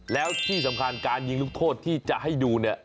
แล้วที่สำคัญการยิงลูกโทษที่จะให้ดูเนี่ย